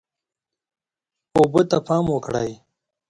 اوبه ته پام وکړئ.